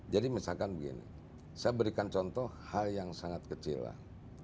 jadi misalkan begini saya berikan contoh hal yang sangat kecil lah